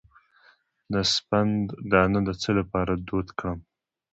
د سپند دانه د څه لپاره دود کړم؟